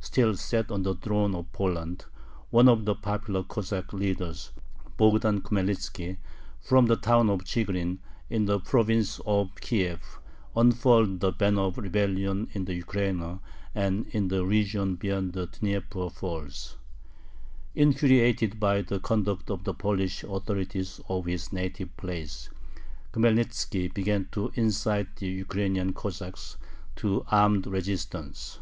still sat on the throne of Poland, one of the popular Cossack leaders, Bogdan Khmelnitzki, from the town of Chigirin, in the province of Kiev, unfurled the banner of rebellion in the Ukraina and in the region beyond the Dnieper Falls. Infuriated by the conduct of the Polish authorities of his native place, Khmelnitzki began to incite the Ukrainian Cossacks to armed resistance.